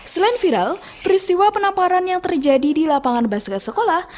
selain viral peristiwa penamparan yang terjadi di lapangan baska sekolah